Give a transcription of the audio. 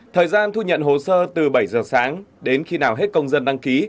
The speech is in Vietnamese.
thời gian thu nhận hồ sơ từ bảy giờ sáng đến khi nào hết công dân đăng ký